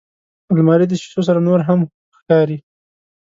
الماري د شیشو سره نورهم ښکاري